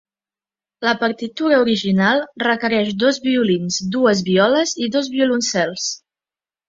La partitura original requereix dos violins, dues violes i dos violoncels.